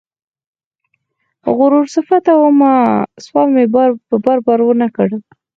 غرور صفته ومه سوال مې په بار، بار ونه کړ